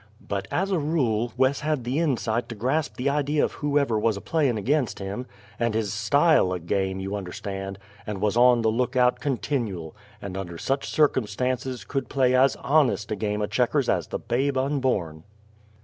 But, as a rule, Wes had the insight to grasp the idy of whoever wuz a playin' ag'in' him, and his style o' game, you understand, and wuz on the lookout continual'; and under sich circumstances could play as honest a game o' Checkers as the babe unborn.